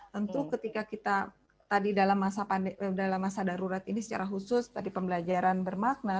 tentu ketika kita tadi dalam masa darurat ini secara khusus tadi pembelajaran bermakna